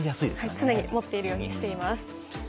常に持っているようにしています。